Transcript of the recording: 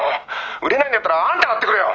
売れないんだったらあんた買ってくれよ！